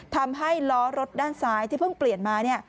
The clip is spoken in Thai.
ทำให้ล้อรถด้านซ้ายที่เพิ่งเปลี่ยนมา